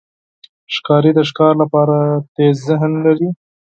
ښکاري د ښکار لپاره تېز ذهن لري.